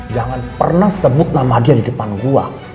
jangan pernah sebut nama dia di depan gua